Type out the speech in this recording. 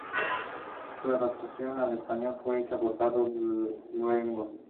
Su adaptación al español fue hecha por Carlos Luengo.